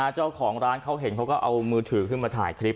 เจ้าของร้านเขาเห็นเขาก็เอามือถือขึ้นมาถ่ายคลิป